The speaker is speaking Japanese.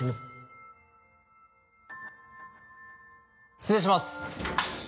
失礼します。